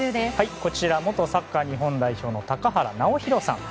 こちら元サッカー日本代表の高原直泰さん。